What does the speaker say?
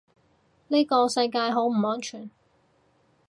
呢個世界好唔安全